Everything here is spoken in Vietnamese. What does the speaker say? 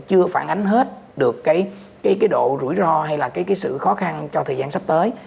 chưa phản ánh hết được cái độ rủi ro hay là cái sự khó khăn trong thời gian sắp tới